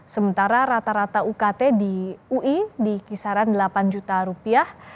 sementara rata rata ukt di ui di kisaran delapan juta rupiah